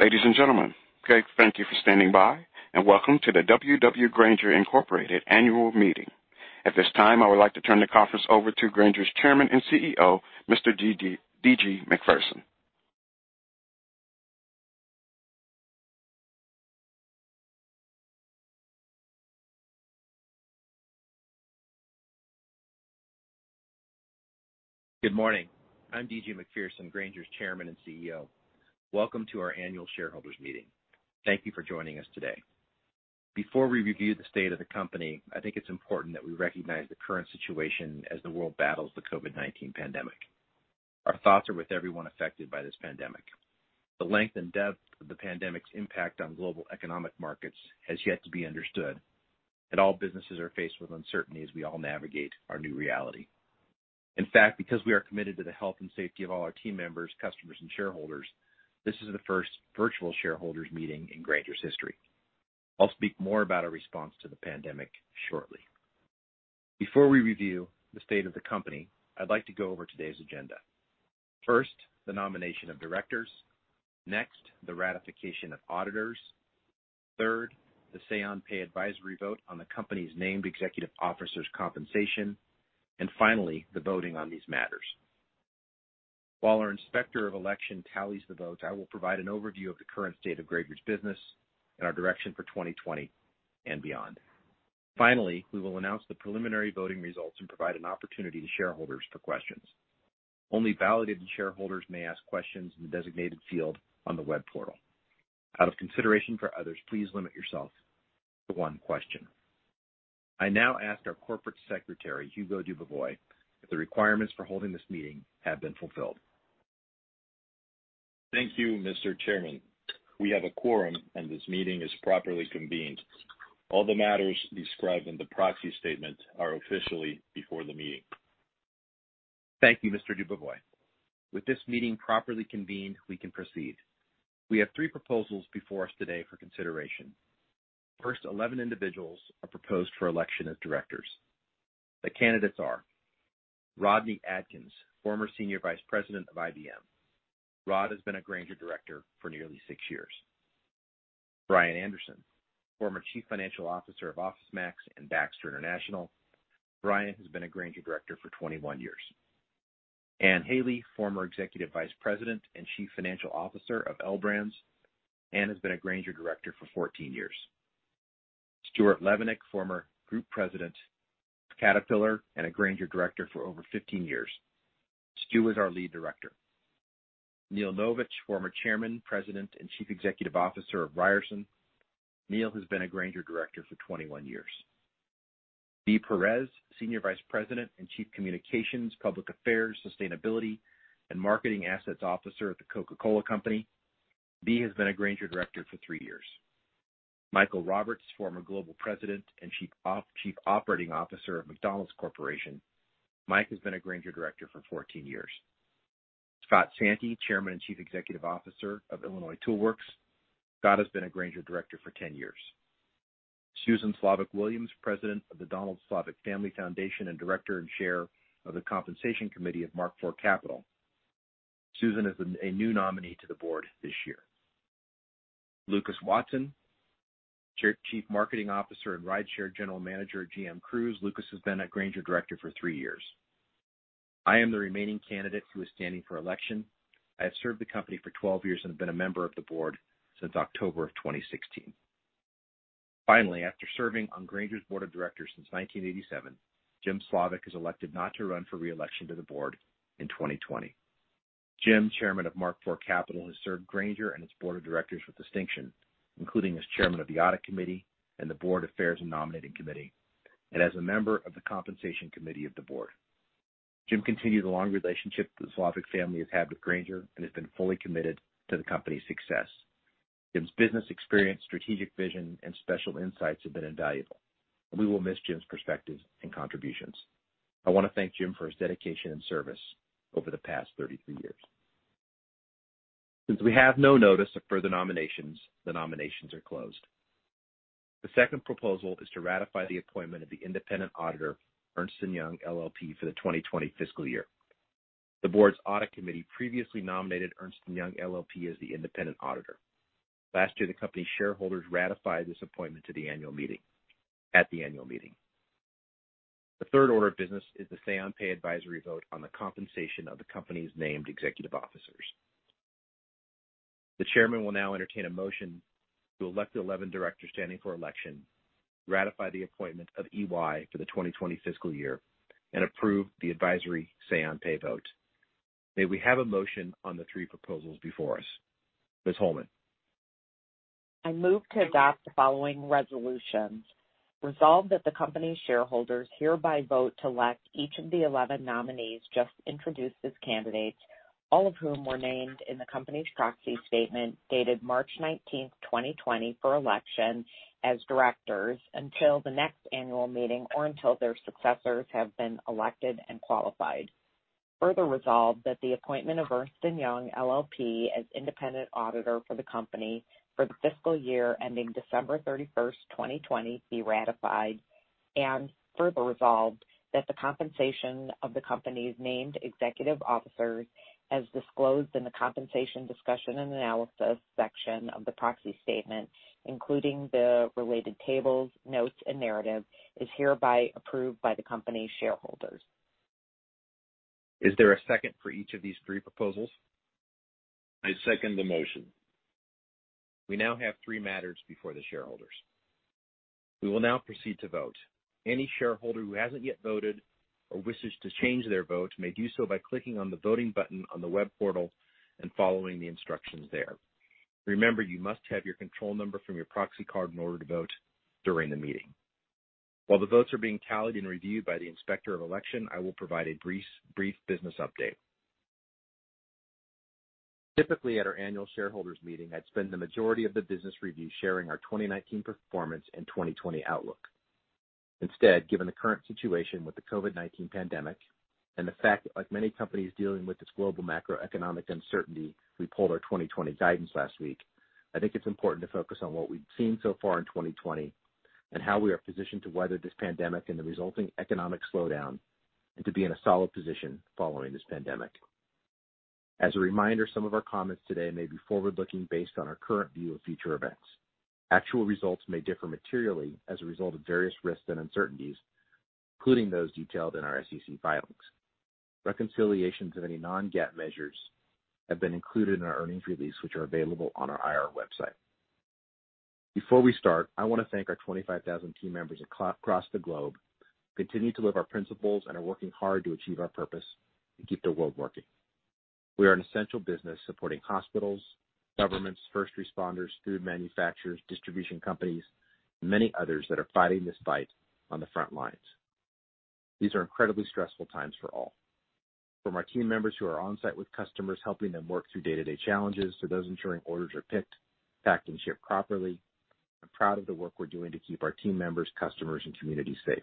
Ladies and gentlemen, thank you for standing by, and welcome to the W.W. Grainger Incorporated annual meeting. At this time, I would like to turn the conference over to Grainger's Chairman and CEO, Mr. D.G. Macpherson. Good morning. I'm D.G. Macpherson, Grainger's Chairman and CEO. Welcome to our annual shareholders meeting. Thank you for joining us today. Before we review the state of the company, I think it's important that we recognize the current situation as the world battles the COVID-19 pandemic. Our thoughts are with everyone affected by this pandemic. The length and depth of the pandemic's impact on global economic markets has yet to be understood, and all businesses are faced with uncertainty as we all navigate our new reality. In fact, because we are committed to the health and safety of all our team members, customers, and shareholders, this is the first virtual shareholders meeting in Grainger's history. I'll speak more about our response to the pandemic shortly. Before we review the state of the company, I'd like to go over today's agenda. First, the nomination of directors. Next, the ratification of auditors. Third, the say on pay advisory vote on the company's named executive officers' compensation, and finally, the voting on these matters. While our Inspector of Election tallies the votes, I will provide an overview of the current state of Grainger's business and our direction for 2020 and beyond. Finally, we will announce the preliminary voting results and provide an opportunity to shareholders for questions. Only validated shareholders may ask questions in the designated field on the web portal. Out of consideration for others, please limit yourself to one question. I now ask our Corporate Secretary, Hugo Dubovoy, if the requirements for holding this meeting have been fulfilled. Thank you, Mr. Chairman. We have a quorum, and this meeting is properly convened. All the matters described in the proxy statement are officially before the meeting. Thank you, Mr. Dubovoy. With this meeting properly convened, we can proceed. We have three proposals before us today for consideration. First, 11 individuals are proposed for election as directors. The candidates are Rodney Adkins, former Senior Vice President of IBM. Rod has been a Grainger director for nearly six years. Brian Anderson, former Chief Financial Officer of OfficeMax and Baxter International. Brian has been a Grainger director for 21 years. Ann Hailey, former Executive Vice President and Chief Financial Officer of L Brands. Ann has been a Grainger director for 14 years. Stuart Levenick, former Group President of Caterpillar and a Grainger director for over 15 years. Stu is our Lead Director. Neil Novich, former Chairman, President, and Chief Executive Officer of Ryerson. Neil has been a Grainger director for 21 years. Bea Perez, Senior Vice President and Chief Communications, Public Affairs, Sustainability, and Marketing Assets Officer at The Coca-Cola Company. Bea has been a Grainger director for three years. Michael Roberts, former Global President and Chief Operating Officer of McDonald's Corporation. Mike has been a Grainger director for 14 years. Scott Santi, Chairman and Chief Executive Officer of Illinois Tool Works. Scott has been a Grainger director for 10 years. Susan Slavik Williams, President of the Donald Slavik Family Foundation, and Director and Chair of the Compensation Committee of Mark IV Capital. Susan is a new nominee to the board this year. Lucas Watson, Chief Marketing Officer and Rideshare General Manager at GM Cruise. Lucas has been a Grainger director for three years. I am the remaining candidate who is standing for election. I have served the company for 12 years and have been a member of the Board since October of 2016. Finally, after serving on Grainger's Board of Directors since 1987, Jim Slavik has elected not to run for re-election to the Board in 2020. Jim, Chairman of Mark IV Capital, has served Grainger and its Board of Directors with distinction, including as Chairman of the Audit Committee and the Board Affairs and Nominating Committee, and as a member of the Compensation Committee of the Board. Jim continues a long relationship that the Slavik family has had with Grainger and has been fully committed to the company's success. Jim's business experience, strategic vision, and special insights have been invaluable. We will miss Jim's perspective and contributions. I want to thank Jim for his dedication and service over the past 33 years. Since we have no notice of further nominations, the nominations are closed. The second proposal is to ratify the appointment of the independent auditor, Ernst & Young LLP, for the 2020 fiscal year. The board's Audit Committee previously nominated Ernst & Young LLP as the independent auditor. Last year, the company's shareholders ratified this appointment at the annual meeting. The third order of business is the say on pay advisory vote on the compensation of the company's named executive officers. The Chairman will now entertain a motion to elect the 11 directors standing for election, ratify the appointment of EY for the 2020 fiscal year, and approve the advisory say on pay vote. May we have a motion on the three proposals before us? Ms. Holman. I move to adopt the following resolutions. Resolved that the company's shareholders hereby vote to elect each of the 11 nominees just introduced as candidates, all of whom were named in the company's Proxy Statement dated March 19, 2020, for election as directors until the next annual meeting or until their successors have been elected and qualified. Further resolved that the appointment of Ernst & Young LLP as independent auditor for the company for the fiscal year ending December 31, 2020, be ratified. Further resolved that the compensation of the company's named executive officers, as disclosed in the Compensation Discussion and Analysis section of the Proxy Statement, including the related tables, notes, and narrative, is hereby approved by the company's shareholders. Is there a second for each of these three proposals? I second the motion. We now have three matters before the shareholders. We will now proceed to vote. Any shareholder who hasn't yet voted or wishes to change their vote may do so by clicking on the voting button on the web portal and following the instructions there. Remember, you must have your control number from your proxy card in order to vote during the meeting. While the votes are being tallied and reviewed by the inspector of election, I will provide a brief business update. Typically, at our annual shareholders meeting, I'd spend the majority of the business review sharing our 2019 performance and 2020 outlook. Given the current situation with the COVID-19 pandemic and the fact that like many companies dealing with this global macroeconomic uncertainty, we pulled our 2020 guidance last week, I think it's important to focus on what we've seen so far in 2020 and how we are positioned to weather this pandemic and the resulting economic slowdown and to be in a solid position following this pandemic. As a reminder, some of our comments today may be forward-looking based on our current view of future events. Actual results may differ materially as a result of various risks and uncertainties, including those detailed in our SEC filings. Reconciliations of any non-GAAP measures have been included in our earnings release, which are available on our IR website. Before we start, I want to thank our 25,000 team members across the globe who continue to live our principles and are working hard to achieve our purpose to keep the world working. We are an essential business supporting hospitals, governments, first responders, food manufacturers, distribution companies, and many others that are fighting this fight on the front lines. These are incredibly stressful times for all. From our team members who are on-site with customers helping them work through day-to-day challenges to those ensuring orders are picked, packed, and shipped properly, I'm proud of the work we're doing to keep our team members, customers, and communities safe.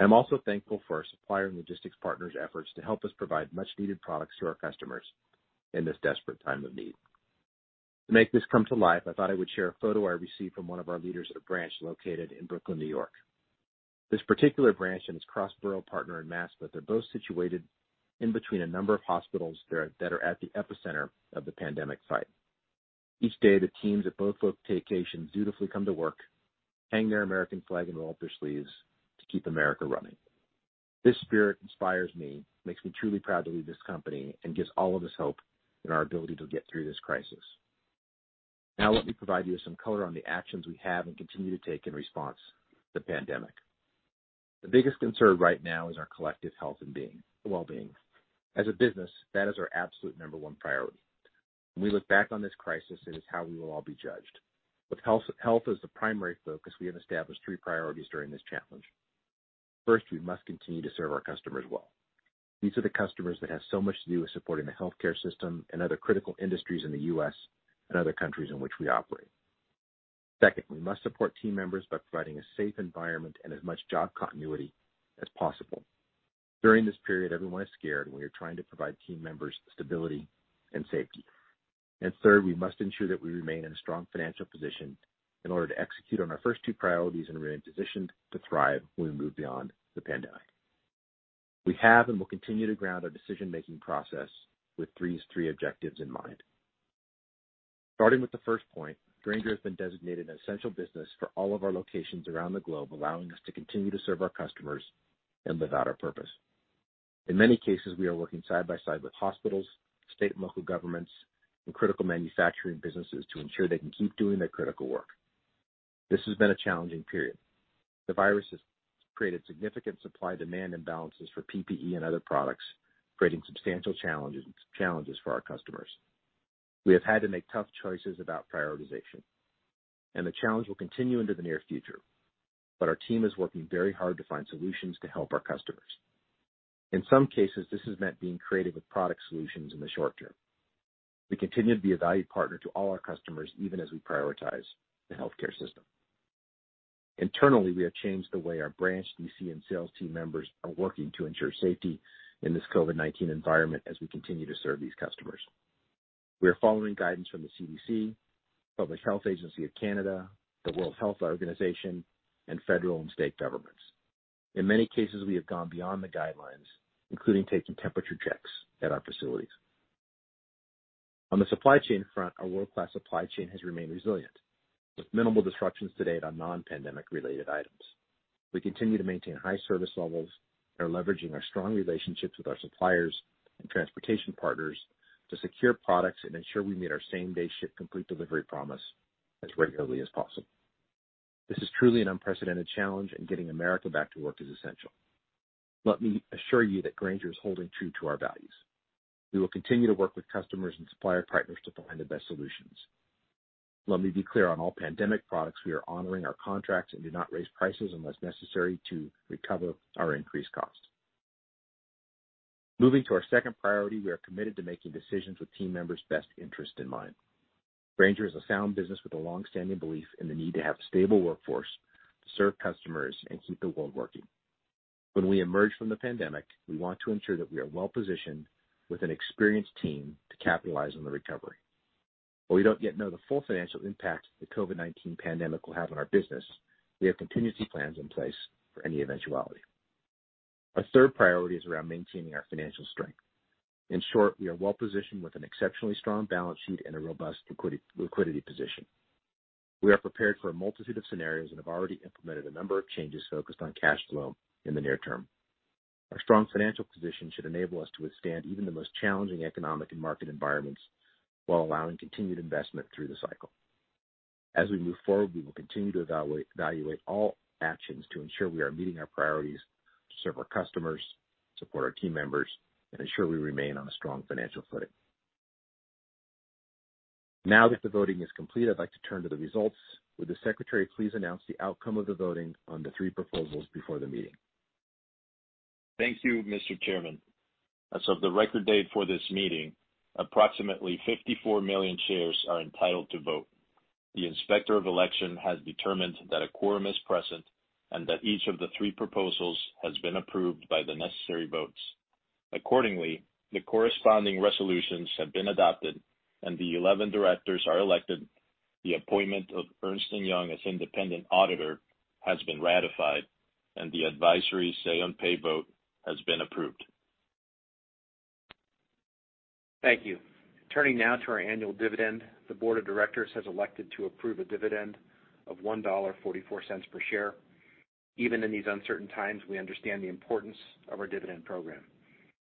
I'm also thankful for our supplier and logistics partners' efforts to help us provide much-needed products to our customers in this desperate time of need. To make this come to life, I thought I would share a photo I received from one of our leaders at a branch located in Brooklyn, N.Y. This particular branch and its Crossboro partner in Mass., they're both situated in between a number of hospitals that are at the epicenter of the pandemic site. Each day, the teams at both locations dutifully come to work, hang their American flag, and roll up their sleeves to keep America running. This spirit inspires me, makes me truly proud to lead this company, and gives all of us hope in our ability to get through this crisis. Now, let me provide you some color on the actions we have and continue to take in response to the pandemic. The biggest concern right now is our collective health and well-being. As a business, that is our absolute number one priority. When we look back on this crisis, it is how we will all be judged. With health as the primary focus, we have established three priorities during this challenge. First, we must continue to serve our customers well. These are the customers that have so much to do with supporting the healthcare system and other critical industries in the U.S. and other countries in which we operate. Second, we must support team members by providing a safe environment and as much job continuity as possible. During this period, everyone is scared, and we are trying to provide team members stability and safety. Third, we must ensure that we remain in a strong financial position in order to execute on our first two priorities and remain positioned to thrive when we move beyond the pandemic. We have and will continue to ground our decision-making process with these three objectives in mind. Starting with the first point, Grainger has been designated an essential business for all of our locations around the globe, allowing us to continue to serve our customers and live out our purpose. In many cases, we are working side by side with hospitals, state and local governments, and critical manufacturing businesses to ensure they can keep doing their critical work. This has been a challenging period. The virus has created significant supply-demand imbalances for PPE and other products, creating substantial challenges for our customers. We have had to make tough choices about prioritization, and the challenge will continue into the near future. Our team is working very hard to find solutions to help our customers. In some cases, this has meant being creative with product solutions in the short term. We continue to be a valued partner to all our customers, even as we prioritize the healthcare system. Internally, we have changed the way our branch, DC, and sales team members are working to ensure safety in this COVID-19 environment as we continue to serve these customers. We are following guidance from the CDC, Public Health Agency of Canada, the World Health Organization, and federal and state governments. In many cases, we have gone beyond the guidelines, including taking temperature checks at our facilities. On the supply chain front, our world-class supply chain has remained resilient, with minimal disruptions to date on non-pandemic related items. We continue to maintain high service levels and are leveraging our strong relationships with our suppliers and transportation partners to secure products and ensure we meet our same-day ship complete delivery promise as regularly as possible. This is truly an unprecedented challenge, and getting America back to work is essential. Let me assure you that Grainger is holding true to our values. We will continue to work with customers and supplier partners to find the best solutions. Let me be clear, on all pandemic products, we are honoring our contracts and do not raise prices unless necessary to recover our increased cost. Moving to our second priority, we are committed to making decisions with team members' best interest in mind. Grainger is a sound business with a long-standing belief in the need to have a stable workforce to serve customers and keep the world working. When we emerge from the pandemic, we want to ensure that we are well-positioned with an experienced team to capitalize on the recovery. While we don't yet know the full financial impact the COVID-19 pandemic will have on our business, we have contingency plans in place for any eventuality. Our third priority is around maintaining our financial strength. In short, we are well-positioned with an exceptionally strong balance sheet and a robust liquidity position. We are prepared for a multitude of scenarios and have already implemented a number of changes focused on cash flow in the near term. Our strong financial position should enable us to withstand even the most challenging economic and market environments while allowing continued investment through the cycle. As we move forward, we will continue to evaluate all actions to ensure we are meeting our priorities to serve our customers, support our team members, and ensure we remain on a strong financial footing. Now that the voting is complete, I'd like to turn to the results. Would the secretary please announce the outcome of the voting on the three proposals before the meeting? Thank you, Mr. Chairman. As of the record date for this meeting, approximately 54 million shares are entitled to vote. The inspector of election has determined that a quorum is present and that each of the three proposals has been approved by the necessary votes. Accordingly, the corresponding resolutions have been adopted and the 11 directors are elected, the appointment of Ernst & Young as independent auditor has been ratified, and the advisory say-on-pay vote has been approved. Thank you. Turning now to our annual dividend. The Board of Directors has elected to approve a dividend of $1.44 per share. Even in these uncertain times, we understand the importance of our dividend program.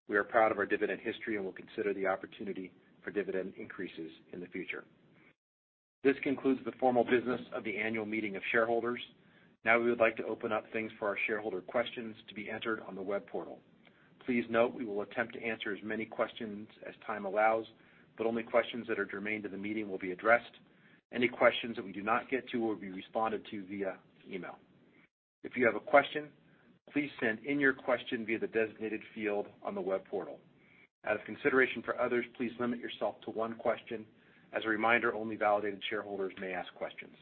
We are proud of our dividend history and will consider the opportunity for dividend increases in the future. This concludes the formal business of the annual meeting of shareholders. We would like to open up things for our shareholder questions to be answered on the web portal. Please note, we will attempt to answer as many questions as time allows, but only questions that are germane to the meeting will be addressed. Any questions that we do not get to will be responded to via email. If you have a question, please send in your question via the designated field on the web portal. Out of consideration for others, please limit yourself to one question. As a reminder, only validated shareholders may ask questions.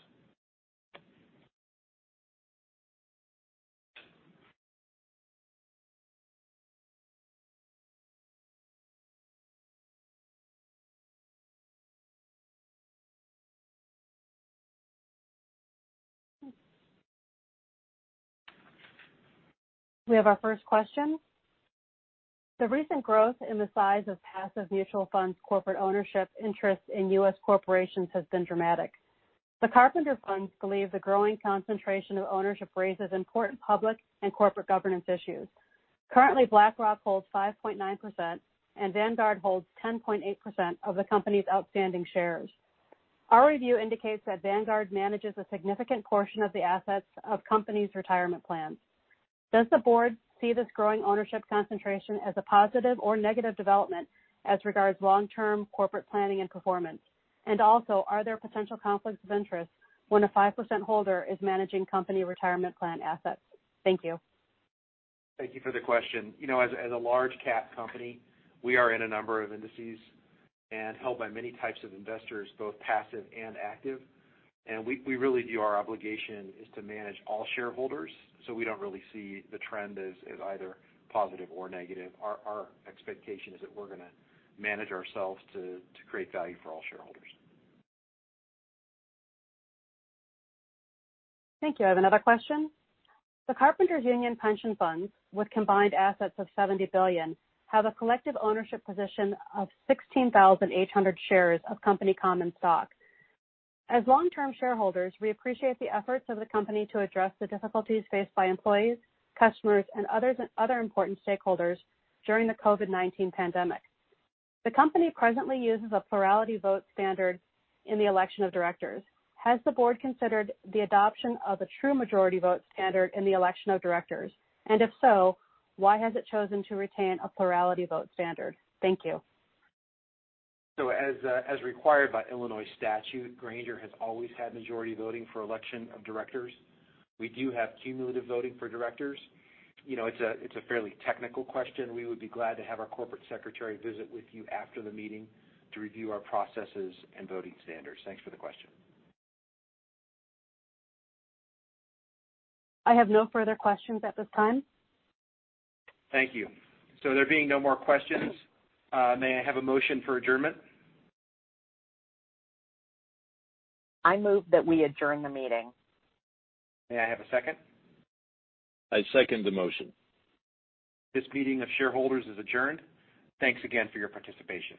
We have our first question. The recent growth in the size of passive mutual funds corporate ownership interest in U.S. corporations has been dramatic. The Carpenters Funds believe the growing concentration of ownership raises important public and corporate governance issues. Currently, BlackRock holds 5.9% and Vanguard holds 10.8% of the company's outstanding shares. Our review indicates that Vanguard manages a significant portion of the assets of companies' retirement plans. Does the board see this growing ownership concentration as a positive or negative development as regards long-term corporate planning and performance? Also, are there potential conflicts of interest when a 5% holder is managing company retirement plan assets? Thank you. Thank you for the question. As a large cap company, we are in a number of indices and held by many types of investors, both passive and active. We really view our obligation is to manage all shareholders, so we don't really see the trend as either positive or negative. Our expectation is that we're going to manage ourselves to create value for all shareholders. Thank you. I have another question. The Carpenters Union Pension Funds, with combined assets of $70 billion, have a collective ownership position of 16,800 shares of company common stock. As long-term shareholders, we appreciate the efforts of the company to address the difficulties faced by employees, customers, and other important stakeholders during the COVID-19 pandemic. The company presently uses a plurality vote standard in the election of directors. Has the board considered the adoption of a true majority vote standard in the election of directors, and if so, why has it chosen to retain a plurality vote standard? Thank you. As required by Illinois statute, Grainger has always had majority voting for election of directors. We do have cumulative voting for directors. It's a fairly technical question. We would be glad to have our Corporate Secretary visit with you after the meeting to review our processes and voting standards. Thanks for the question. I have no further questions at this time. Thank you. There being no more questions, may I have a motion for adjournment? I move that we adjourn the meeting. May I have a second? I second the motion. This meeting of shareholders is adjourned. Thanks again for your participation.